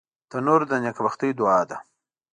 تنور د نیکبختۍ دعا ده